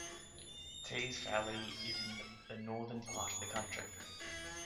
Teays Valley is in the northern part of the county.